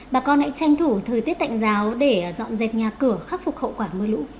bà con hãy tranh thủ thời tiết tạnh giáo để dọn dẹp nhà cửa khắc phục hậu quả mưa lũ